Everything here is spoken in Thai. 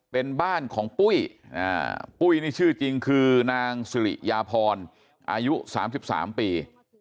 เป็นบ้านของปุ้ยปุ้ยนี่ชื่อจริงคือนางสุริยาพรอายุ๓๓ปี